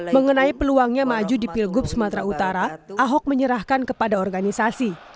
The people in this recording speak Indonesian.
mengenai peluangnya maju di pilgub sumatera utara ahok menyerahkan kepada organisasi